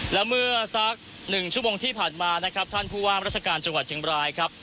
และเมื่อสัก๑ชั่วโมงที่ผ่านมานะครับท่านผู้ว่ามราชการจังหวัดเชียงบรายครับ